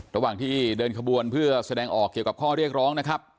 ระหว่างที่เดินขบวนเพื่อแสดงออกเกี่ยวกับข้อเรียกร้องนะครับ